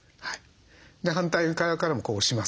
反対側からも押します。